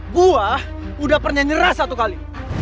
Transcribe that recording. buah udah pernah nyerah satu kali